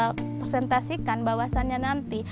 ketika saya presentasikan bahwasannya nanti